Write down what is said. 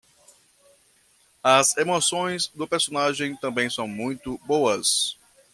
As emoções do personagem também são muito boas.